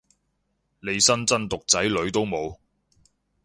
利申真毒仔女都冇